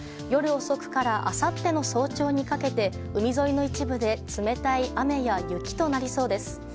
夜遅くからあさっての早朝にかけて海沿いの一部で冷たい雨や雪となりそうです。